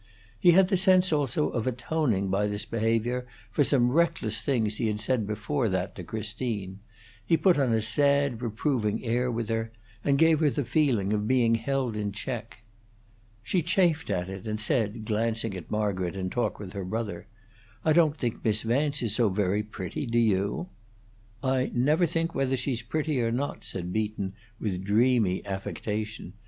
He had the sense also of atoning by this behavior for some reckless things he had said before that to Christine; he put on a sad, reproving air with her, and gave her the feeling of being held in check. She chafed at it, and said, glancing at Margaret in talk with her brother, "I don't think Miss Vance is so very pretty, do you?" "I never think whether she's pretty or not," said Beaton, with dreamy, affectation.